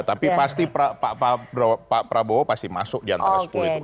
tapi pasti pak prabowo pasti masuk di antara sepuluh itu